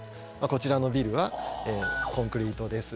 こちらのビルはコンクリートです。